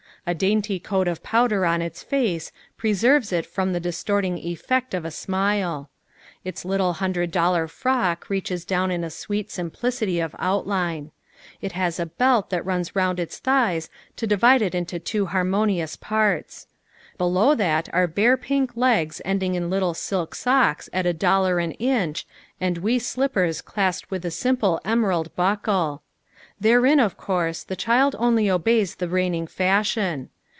A dainty coat of powder on its face preserves it from the distorting effect of a smile. Its little hundred dollar frock reaches down in a sweet simplicity of outline. It has a belt that runs round its thighs to divide it into two harmonious parts. Below that are bare pink legs ending in little silk socks at a dollar an inch and wee slippers clasped with a simple emerald buckle. Therein, of course, the child only obeys the reigning fashion.